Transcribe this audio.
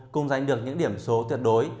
cùng giành được những điểm số tuyệt đối